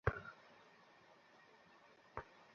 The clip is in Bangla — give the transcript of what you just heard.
আমি জানিয়েছি যে, আমরা ভাল আছি।